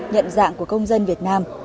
nhận dạng của công dân việt nam